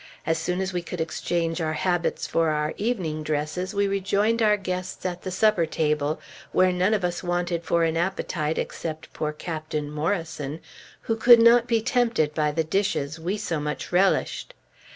As soon as we could exchange our habits for our evening dresses, we rejoined our guests at the supper table, where none of us wanted for an appetite except poor Captain Morrison, who could not be tempted by the dishes we so much relished.